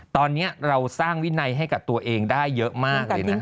ตอนนี้เราสร้างวินัยให้กับตัวเองได้เยอะมากเลยนะ